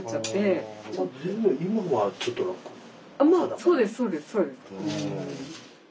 そうですそうです。